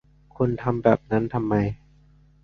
คุณทำแบบนั้นทำไม